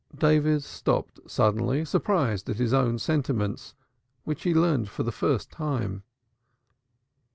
David stopped suddenly, surprised at his own sentiments, which he learned for the first time.